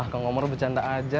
ah kang ngomor bercanda aja